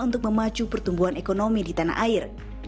untuk memacu pertumbuhan ekonomi di tanah air